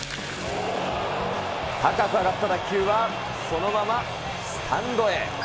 高く上がった打球はそのままスタンドへ。